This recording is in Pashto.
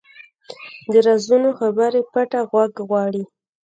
د رازونو خبرې پټه غوږ غواړي